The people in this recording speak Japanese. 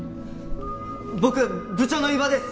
僕部長の伊庭です！